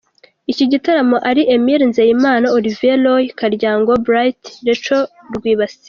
iki gitaramo ari Emile Nzeyimana, Olivier Roy, Karyango Bright, Rachel Rwibasira.